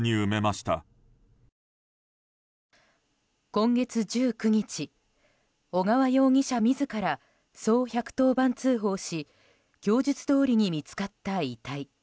今月１９日、小川容疑者自らそう１１０番通報し供述どおりに見つかった遺体。